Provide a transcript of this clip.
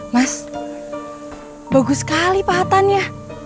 mas bagus sekali pahatannya